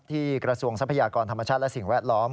กระทรวงทรัพยากรธรรมชาติและสิ่งแวดล้อม